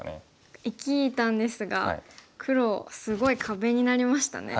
生きたんですが黒すごい壁になりましたね。